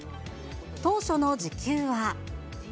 当初の時給は。